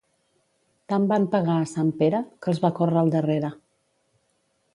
Tant van pegar a sant Pere, que els va córrer al darrere.